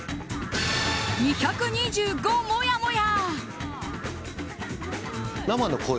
２２５もやもや。